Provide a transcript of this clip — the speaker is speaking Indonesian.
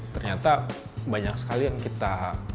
ternyata banyak sekali yang kita